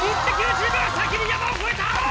チームが先に山を越えた！